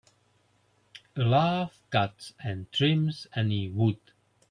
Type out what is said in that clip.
A lathe cuts and trims any wood.